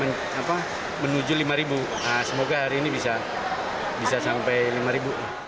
ini menuju lima semoga hari ini bisa sampai lima